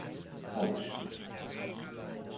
Autsch!